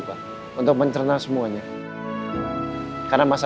dan ibu temen inck andreat